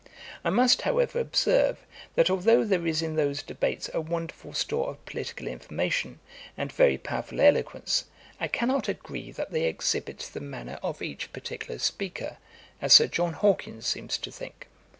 I must, however, observe, that although there is in those debates a wonderful store of political information, and very powerful eloquence, I cannot agree that they exhibit the manner of each particular speaker, as Sir John Hawkins seems to think.